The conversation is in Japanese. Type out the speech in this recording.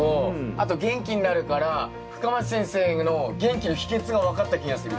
あと元気になるから深町先生の元気の秘けつが分かった気がするよね。